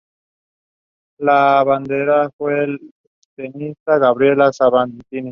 La abanderada fue la tenista Gabriela Sabatini.